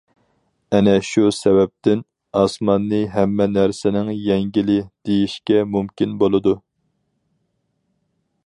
ئەنە شۇ سەۋەبتىن، ئاسماننى ھەممە نەرسىنىڭ يەڭگىلى دېيىشكە مۇمكىن بولىدۇ.